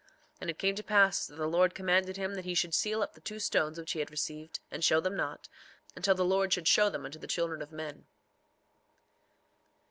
3:28 And it came to pass that the Lord commanded him that he should seal up the two stones which he had received, and show them not, until the Lord should show them unto the children of men.